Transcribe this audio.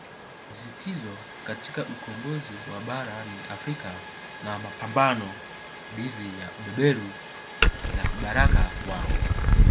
Msisitizo katika ukombozi wa Barani Afrika na mapambano dhidi ya ubeberu na vibaraka wao